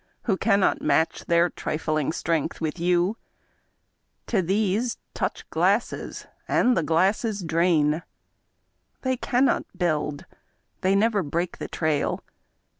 Who cannot match their trifling strength with you; To these, touch glasses — ^and the glasses drain ! They cannot build, they never break the trail.